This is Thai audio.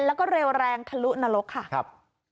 แล้วก็เร็วแรงทะลุนรกค่ะครับ